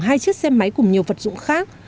hai chiếc xe máy cùng nhiều vật dụng khác